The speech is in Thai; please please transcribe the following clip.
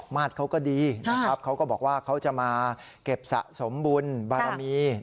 มาตรเขาก็ดีนะครับเขาก็บอกว่าเขาจะมาเก็บสะสมบุญบารมี